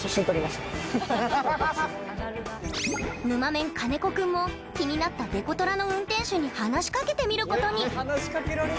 ぬまメン、金子君も気になったデコトラの運転手に話しかけてみることに。